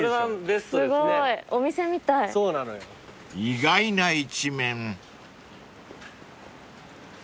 ［意外な一面］